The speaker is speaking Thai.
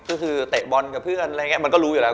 ก็คือเตะบอลกับเพื่อนมันก็รู้อยู่แล้ว